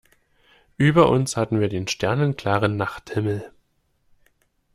Über uns hatten wir den sternenklaren Nachthimmel.